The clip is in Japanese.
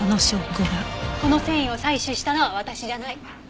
この繊維を採取したのは私じゃない。